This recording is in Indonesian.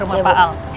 rumah pak al